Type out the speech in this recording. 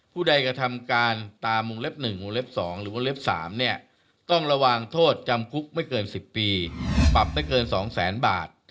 ผู้ใดกระทำการตามวงเล็บ๑วงเล็บ๒หรือวงเล็บ๓เนี่ยต้องระวังโทษจำคุกไม่เกิน๑๐ปีปรับไม่เกิน๒แสนบาท